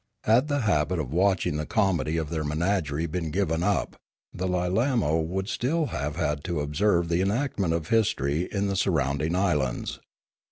Had the habit of watching the comedy of their menagerie been given up, the L,ilamo would have still had to observe the enactment of history in the sur rounding islands.